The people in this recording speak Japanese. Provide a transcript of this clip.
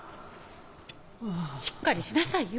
・しっかりしなさいよ。